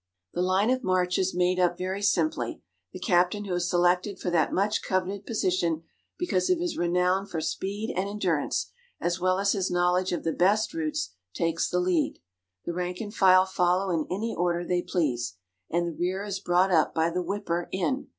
The line of march is made up very simply. The captain who is selected for that much coveted position because of his renown for speed and endurance, as well as his knowledge of the best routes, takes the lead. The rank and file follow in any order they please, and the rear is brought up by the whipper in.